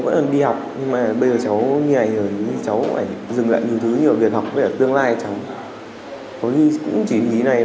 có khi cũng chỉ ý này có khi tương lai cháu cũng không ra gì